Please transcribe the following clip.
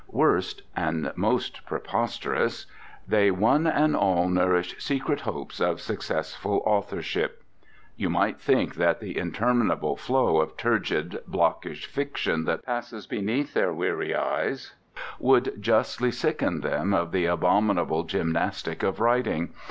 Worst, and most preposterous, they one and all nourish secret hopes of successful authorship. You might think that the interminable flow of turgid blockish fiction that passes beneath their weary eyes would justly sicken them of the abominable gymnastic of writing.